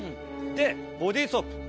でボディーソープ。